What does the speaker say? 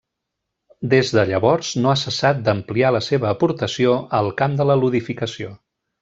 Des de llavors no ha cessat d'ampliar la seva aportació al camp de la ludificació.